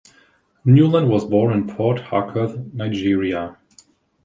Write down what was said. Newland was born in Port Harcourt, Nigeria.